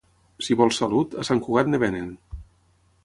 Si vols salut, a Sant Cugat en venen.